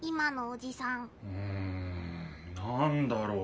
うんなんだろう？